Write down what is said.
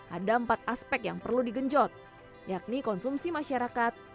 ada empat aspek yang perlu digenjot yakni konsumsi masyarakat